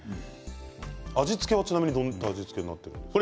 味付けは、どんな味付けになっているんですか。